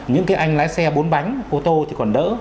những cái anh lái xe bốn bánh ô tô thì còn đỡ